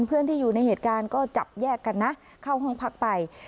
เพื่อนที่อยู่ในเหตุการณ์ก็จับแยกกันนะเข้าห้องพักไป